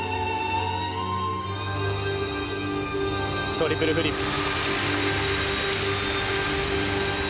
トリプルフリップ。